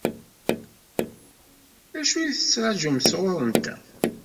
D acu i la tettṛaǧumt sɣur-nteɣ?